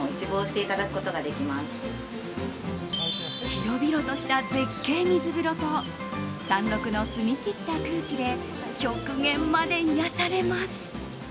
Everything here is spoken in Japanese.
広々とした絶景水風呂と山麓の澄み切った空気で極限まで癒やされます。